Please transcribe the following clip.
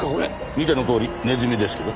見てのとおりネズミですけど。